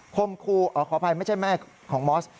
คมครูอ๋อขออภัยไม่ใช่แม่ของมอส